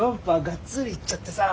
がっつりいっちゃってさ。